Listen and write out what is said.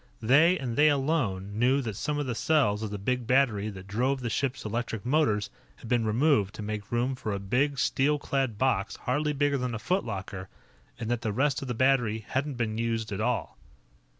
They, and they alone, knew that some of the cells of the big battery that drove the ship's electric motors had been removed to make room for a big, steel clad box hardly bigger than a foot locker, and that the rest of the battery hadn't been used at all.